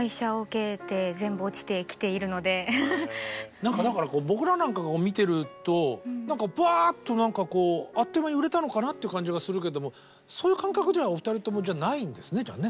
何かだから僕らなんかが見てるとぱっと何かこうあっという間に売れたのかなっていう感じがするけどそういう感覚ではお二人ともないんですねじゃあね。